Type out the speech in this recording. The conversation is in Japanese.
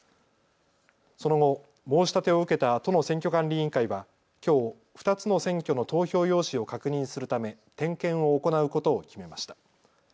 その後、申し立てを受けた都の選挙管理委員会はきょう２つの選挙の投票用紙を確認するため点検を行うことを決めました。